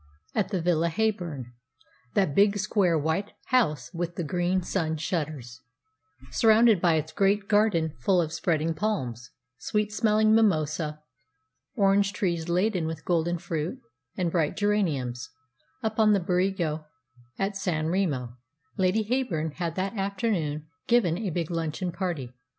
At the Villa Heyburn that big, square, white house with the green sun shutters, surrounded by its great garden full of spreading palms, sweet smelling mimosa, orange trees laden with golden fruit, and bright geraniums, up on the Berigo at San Remo Lady Heyburn had that afternoon given a big luncheon party.